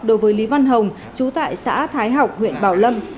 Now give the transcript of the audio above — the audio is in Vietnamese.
đối với lý văn hồng chú tại xã thái học huyện bảo lâm